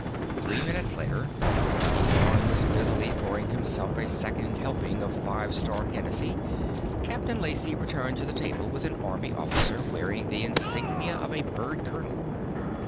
Three minutes later, while Thorn was busily pouring himself a second helping of Five Star Hennessy, Captain Lacey returned to the table with an army officer wearing the insignia of a bird colonel.